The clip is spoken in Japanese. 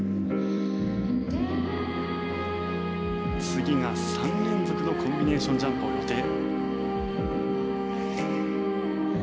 次が３連続のコンビネーションジャンプを予定。